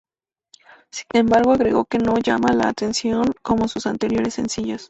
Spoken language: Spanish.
Sin embargo, agregó que no llama la atención como sus anteriores sencillos.